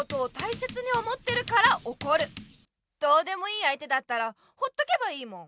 どうでもいいあいてだったらほっとけばいいもん。